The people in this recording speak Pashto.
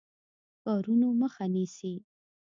کارونو مخه نیسي.